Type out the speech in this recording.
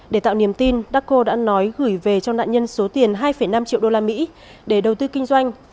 để tạo niềm tin ducco đã nói gửi về cho nạn nhân số tiền hai năm triệu usd để đầu tư kinh doanh